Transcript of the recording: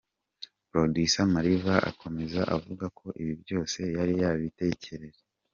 Producer Mariva akomeza avuga ko ibi byose yari yabitekereje.